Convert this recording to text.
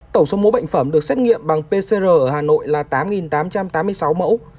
tổng số mẫu bệnh phẩm được xét nghiệm bằng pcr ở hà nội là tám tám trăm tám mươi sáu mẫu